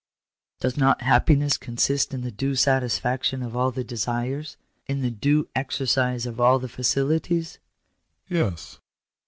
" Does not happiness consist in the due satisfaction of all the desires ? in the due exercise of all the faculties ?" "Yes."